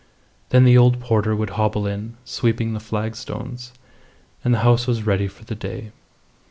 Then the old porter would hobble in, sweeping the flagstones, and the house was ready for the day.